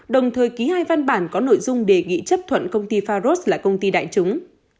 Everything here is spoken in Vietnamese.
đồng thời ký hai văn bản có nội dung đề nghị chấp thuận công ty faros là công ty đại chúng